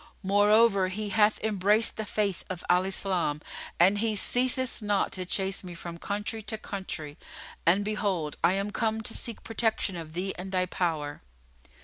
Moreover, he hath embraced the faith of Al Islam and he ceaseth not to chase me from country to country; and behold, I am come to seek protection of thee and thy power."